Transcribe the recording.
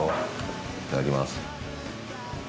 いただきます。